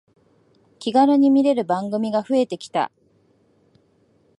気軽に見れる番組が増えてきた